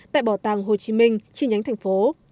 tại bảo tàng hồ chí minh chi nhánh thành phố